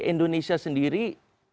bagi indonesia saya rasa ini akan naik